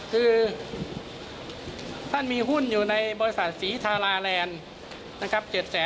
คือท่านมีหุ้นอยู่ในบริษัทศรีธาราแลนด์นะครับ